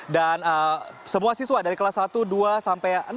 semua siswa dari kelas satu dua sampai enam